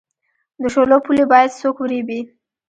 د شولو پولې باید څوک وریبي؟